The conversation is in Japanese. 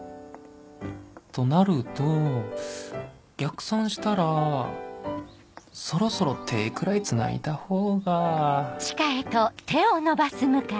となると逆算したらそろそろ手くらいつないだ方が